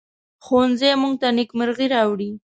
ښوونځی موږ ته نیکمرغي راوړي